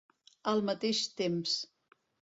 Al mateix temps.